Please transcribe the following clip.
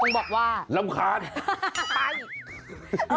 วิธีแบบไหนไปดูกันเล็ก